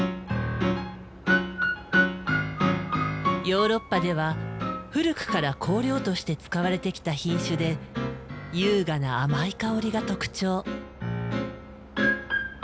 ヨーロッパでは古くから香料として使われてきた品種で優雅な甘い香りが特徴。